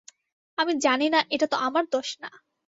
আমি জানি না এটা তো আমার দোষ না।